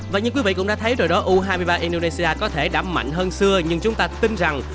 và như quý vị cũng đã thấy rồi đó u hai mươi ba indonesia có thể đã mạnh hơn xưa nhưng chúng ta tin rằng